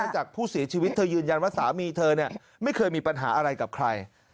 จากผู้เสียชีวิตเธอยืนยันว่าสามีเธอไม่เคยมีปัญหาอะไรกับใคร